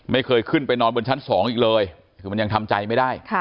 ไม่เคยขึ้นไปนอนบนชั้น๒อีกเลยคือมันยังทำใจไม่ได้